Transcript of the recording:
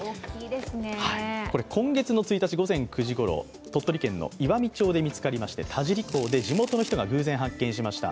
今月の１日、午前９時ごろ、鳥取県岩美町、田後港で地元の人が偶然発見しました。